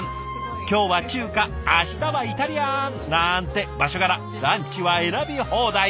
今日は中華明日はイタリアン！なんて場所柄ランチは選び放題。